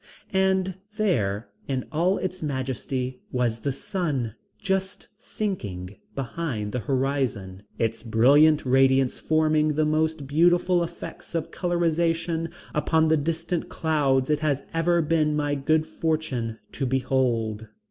And there, in all its majesty was the sun just sinking behind the horizon, its brilliant radiance forming the most beautiful effects of colorization upon the distant clouds it has ever been my good fortune to behold.